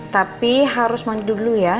tapi harus mandi dulu ya